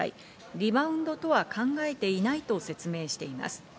リバウンドとは考えていないと説明しています。